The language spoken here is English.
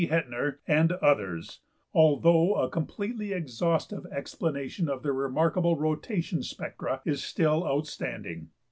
~Hettner, and others, although a completely exhaustive explanation of their remarkable rotation spectra is still outstanding.